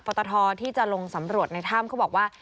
ตทที่จะลงสำรวจในถ้ำเขาบอกว่า